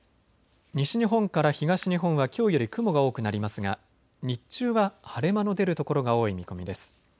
西日本から東日本はきょうより雲が多くなりますが日中は晴れ間の出る所が多い見込みです。